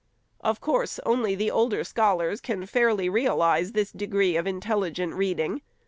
Of course, only the older scholars can fairly realize this degree of intelligent reading.